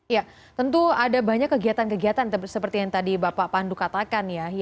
ya tentu ada banyak kegiatan kegiatan seperti yang tadi bapak pandu katakan ya